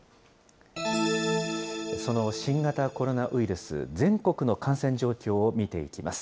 その新型コロナウイルス、全国の感染状況を見ていきます。